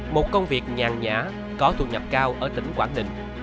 một công việc nhàn nhã có thu nhập cao ở tỉnh quảng ninh